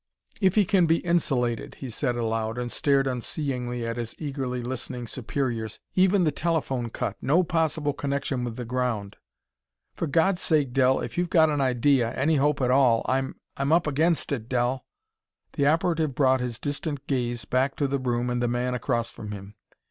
"If he can be insulated " he said aloud, and stared unseeingly at his eagerly listening superiors "even the telephone cut no possible connection with the ground " "For God's sake, Del, if you've got an idea any hope at all! I'm I'm up against it, Del." The operative brought his distant gaze back to the room and the man across from him.